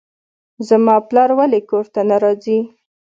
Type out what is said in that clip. زما پلار ولې کور ته نه راځي.